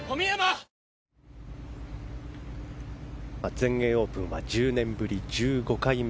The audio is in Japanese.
全英オープンは１０年ぶり１５回目。